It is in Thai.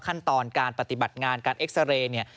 ขั้นตอนการปฏิบัติงานการเอ็กซาเรย์เนี่ย